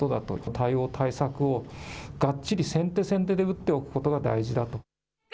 対応、対策をがっちり先手先手で打っておくことが大事だと。